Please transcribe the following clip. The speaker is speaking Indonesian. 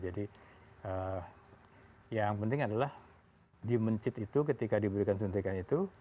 jadi yang penting adalah di mencit itu ketika diberikan suntikan itu